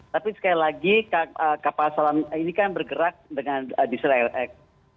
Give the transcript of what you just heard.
tapi sekali lagi kapal selam ini kan bergerak dengan israel ac